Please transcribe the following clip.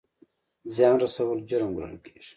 زیان رسول جرم ګڼل کیږي